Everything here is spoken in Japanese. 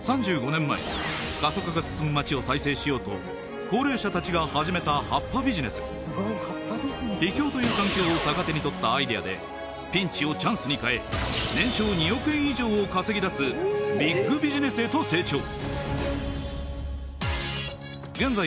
３５年前過疎化が進む町を再生しようと高齢者達が始めた葉っぱビジネス秘境という環境を逆手に取ったアイデアでピンチをチャンスに変え年商２億円以上を稼ぎ出すビッグビジネスへと成長現在